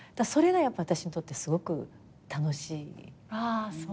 それがやっぱ私にとってすごく楽しい。